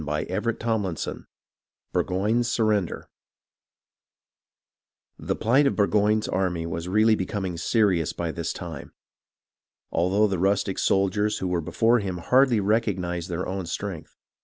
CHAPTER XXII burgoyne's surrender The plight of Burgoyne's army was really becoming serious by this time, although the rustic soldiers who were before him hardly recognized their own strength.